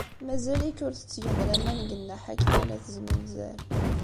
Mazal-ik ur tettgeḍ laman deg Nna Ḥakima n At Zmenzer.